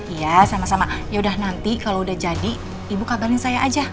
iya sama sama yaudah nanti kalau udah jadi ibu kabarin saya aja